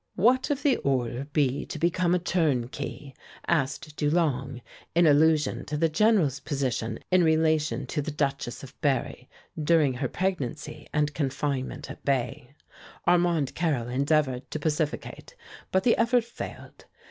'What if the order be to become a turnkey?' asked Dulong, in allusion to the General's position in relation to the Duchess of Berri, during her pregnancy and confinement at Baye. Armand Carrel endeavored to pacificate, but the effort failed.